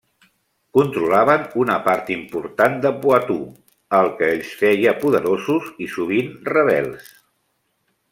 Controlaven una part important de Poitou el que els feia poderosos i sovint rebels.